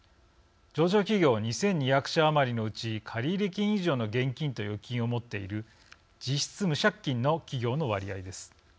上場企業２，２００社余りのうち借入金以上の現金と預金を持っている実質無借金の企業の割合です。